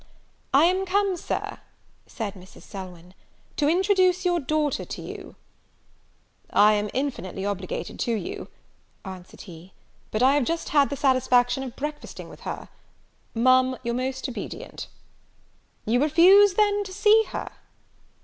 "I am come, Sir," said Mrs. Selwyn, "to introduce your daughter to you." "I am infinitely obliged to you," answered he; "but I have just had the satisfaction of breakfasting with her. Ma'am, your most obedient." "You refuse, then, to see her?"